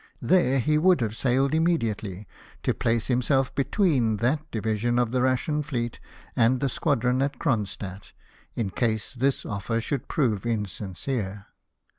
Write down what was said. There he would have sailed immediately, to place himself between that division ot the Russian fleet and the squadron at Cronstadt, in case this offer should prove insincere.